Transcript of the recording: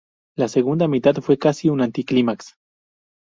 La segunda mitad fue casi un anti-clímax.